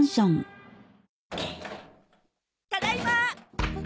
ただいま。